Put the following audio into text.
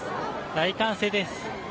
大歓声です。